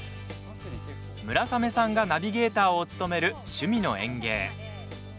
村雨さんがナビゲーターを務める「趣味の園芸」。